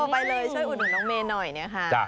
อ๋อไปเลยช่วยอุ่นน้องเมหน่อยเนี่ยค่ะ